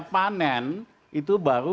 panen itu baru